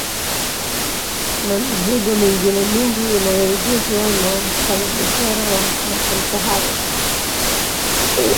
Na mizigo mingine mingi inayoagizwa na wafanya biashara wa mataifa hayo